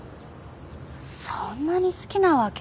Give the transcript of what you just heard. そんなに好きなわけ？